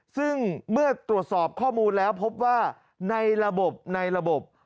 ซึ่งเมื่อตรวจสอบข้อมูลแล้วพบว่าในระบบในระบบ